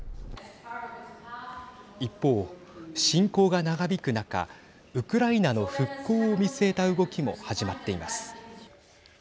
一方、侵攻が長引く中ウクライナの復興を見据えた動きも始まっています。